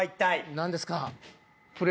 何ですか？